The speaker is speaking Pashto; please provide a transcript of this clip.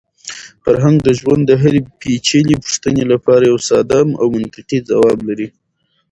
فرهنګ د ژوند د هرې پېچلې پوښتنې لپاره یو ساده او منطقي ځواب لري.